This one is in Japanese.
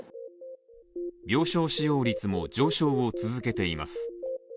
病床使用率も上昇を続けています。